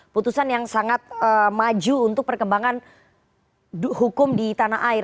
putusan yang sangat maju untuk perkembangan hukum di tanah air